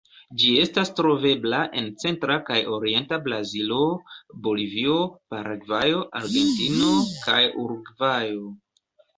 Ĝi estas trovebla en centra kaj orienta Brazilo, Bolivio, Paragvajo, Argentino kaj Urugvajo.